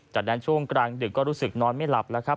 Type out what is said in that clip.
จากนั้นช่วงกลางดึกก็รู้สึกนอนไม่หลับแล้วครับ